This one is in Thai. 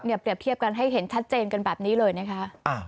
เปรียบเทียบกันให้เห็นชัดเจนกันแบบนี้เลยนะคะ